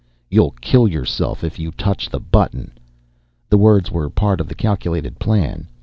"YOU'LL KILL YOURSELF IF YOU TOUCH THE BUTTON!" The words were part of the calculated plan.